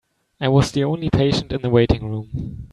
I was the only patient in the waiting room.